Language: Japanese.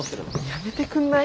やめてくんない？